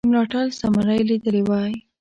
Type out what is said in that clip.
د ملاتړ ثمره یې لیدلې وای.